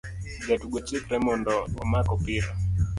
Jatugo chikre mondo omak opira